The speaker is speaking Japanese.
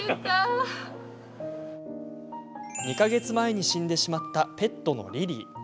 ２か月前に死んでしまったペットのリリー。